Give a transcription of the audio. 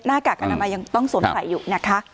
กากอนามัยยังต้องสวมใส่อยู่นะคะ